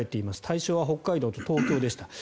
対象は北海道と東京でした。